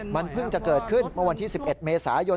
มันเพิ่งจะเกิดขึ้นเมื่อวันที่๑๑เมษายน